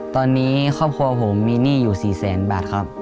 ตอนนี้ครอบครัวผมมีหนี้อยู่๔แสนบาทครับ